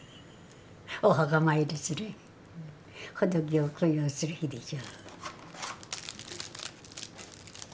お墓参りする仏を供養する日でしょ。